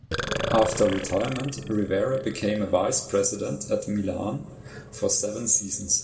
After retirement, Rivera became a vice-president at Milan for seven seasons.